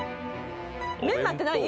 メンマってない？